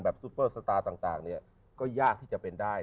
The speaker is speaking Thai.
แบบซุปเปอร์สตาร์ต่างก็ยากที่จะเป็นได้